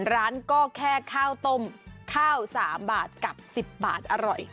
ร้านก็แค่ข้าวต้มข้าว๓บาทกับ๑๐บาทอร่อย